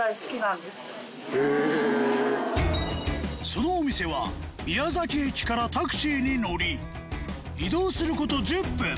そのお店は宮崎駅からタクシーに乗り移動する事１０分